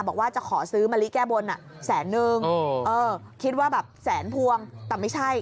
บอกว่าจะขอซื้อมะลิแก้บนแสนนึงคิดว่าแบบแสนพวงแต่ไม่ใช่